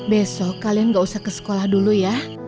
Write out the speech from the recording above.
besok kalian gak usah ke sekolah dulu ya